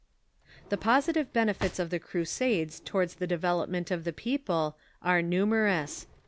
The positive benefits of the Crusades towards the develop ment of the people are numerous.